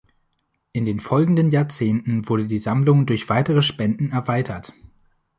In den folgenden Jahrzehnten wurde die Sammlung durch weitere Spenden erweitert.